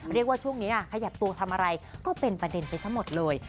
เรียกว่าช่วงนี้ขยับตัวทำอะไรก็เป็นประเด็นไปซะหมดเลย